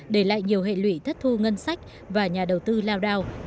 để lại nhiều hệ lụy thất thu ngân sách và nhà đầu tư lao đao